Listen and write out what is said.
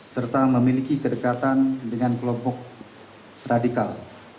serta memiliki kedekatan dengan kelompok radikal